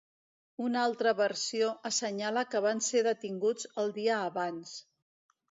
Una altra versió assenyala que van ser detinguts el dia abans.